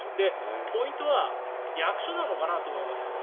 ポイントは役所なのかなと思います。